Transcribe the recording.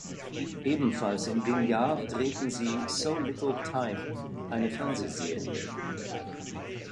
Ebenfalls in dem Jahr drehten sie "So Little Time," eine Fernsehserie.